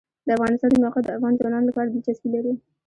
د افغانستان د موقعیت د افغان ځوانانو لپاره دلچسپي لري.